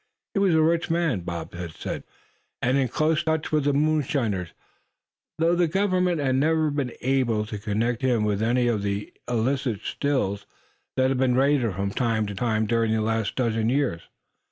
He was a rich man, Bob had said, and in close touch with the moonshiners; though the Government had never been able to connect him with any of the illicit Stills that had been raided from time to time during the last dozen years.